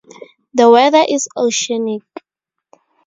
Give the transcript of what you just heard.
The weather is oceanic.